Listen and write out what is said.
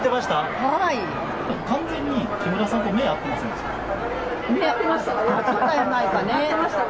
完全に木村さんと目、合ってませんでした？